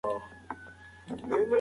جاذبه هر ځای يو شان نه ده.